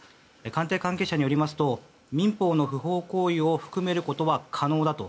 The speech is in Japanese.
官邸関係者によりますと民法の不法行為を含めることは可能だと。